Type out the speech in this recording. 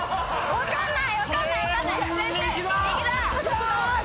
分かんない。